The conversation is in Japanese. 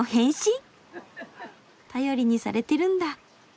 頼りにされてるんだ。